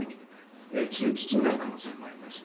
金融危機になる可能性もあります。